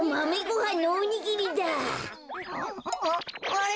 あれ？